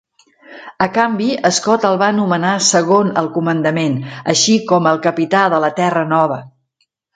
A canvi, Scott el va nomenar segon al comandament, així com el capità de la "Terra nova".